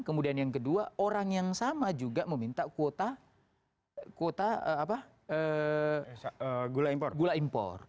kemudian yang kedua orang yang sama juga meminta kuota gula impor